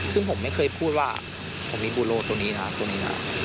ซึ่งผมไม่เคยพูดว่าผมมีบูโลตัวนี้นะตัวนี้นะ